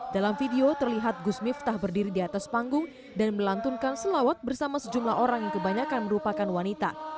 dalam video terlihat gus miftah berdiri di atas panggung dan melantunkan selawat bersama sejumlah orang yang kebanyakan merupakan wanita